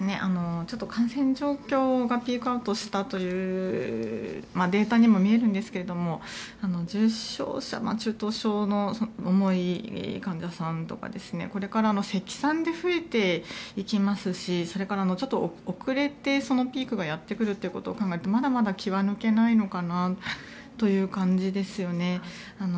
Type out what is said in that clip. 感染状況がピークアウトしたというデータにも見えるんですが重症者、中等症の重い患者さんとかこれから積算で増えていきますしそれから、遅れてピークがやってくるということを考えるとまだまだ気は抜けないのかなという感じですよね。